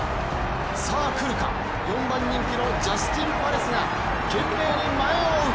さあ来るか、４番人気のジャスティンパレスが懸命に前を追う。